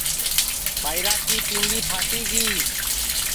ٻائرا کی پینٚدؔی پھاٹی گی